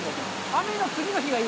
雨の次の日がいい？